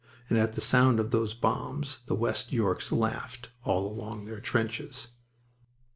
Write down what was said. And at the sound of those bombs the West Yorks laughed all along their trenches.